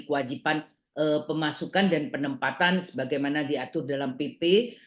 kewajiban pemasukan dan penempatan sebagaimana diatur dalam pp tiga puluh enam dua ribu dua puluh tiga